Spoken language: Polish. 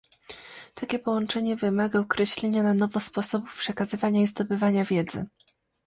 Takie połączenie wymaga określenia na nowo sposobów przekazywania i zdobywania wiedzy